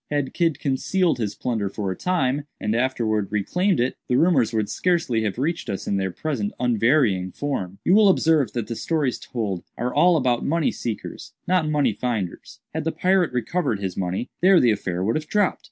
Had Kidd concealed his plunder for a time, and afterwards reclaimed it, the rumors would scarcely have reached us in their present unvarying form. You will observe that the stories told are all about money seekers, not about money finders. Had the pirate recovered his money, there the affair would have dropped.